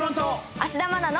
芦田愛菜の。